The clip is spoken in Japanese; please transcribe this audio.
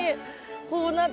こうなって。